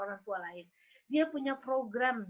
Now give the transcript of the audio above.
orang tua lain dia punya program